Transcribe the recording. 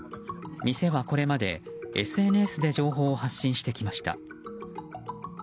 店は、これまでＳＮＳで情報を発信してきました。